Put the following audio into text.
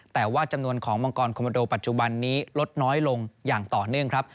แต่ว่าจำนวนของมังกรคอมโมโดปัจจุบันนี้ลดน้อยลงอย่างต่อเนื่องครับ